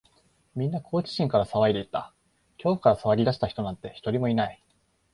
みんな好奇心から騒いでいた。恐怖から騒ぎ出した人なんて、一人もいない。